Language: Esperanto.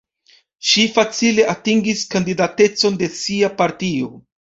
Ŝi facile atingis kandidatecon de sia partio.